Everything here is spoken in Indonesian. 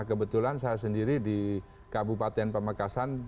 kebetulan saya sendiri di kabupaten pamekasan